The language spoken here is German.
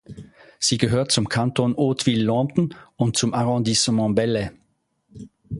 Sie gehört zum Kanton Hauteville-Lompnes und zum Arrondissement Belley.